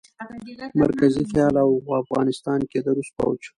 مرکزي خيال او افغانستان کښې د روسي فوج